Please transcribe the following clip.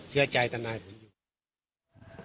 เชื่อใจทนายผมอยู่